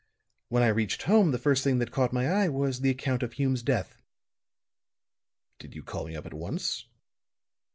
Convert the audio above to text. When I reached home the first thing that caught my eye was the account of Hume's death." "Did you call me up at once?"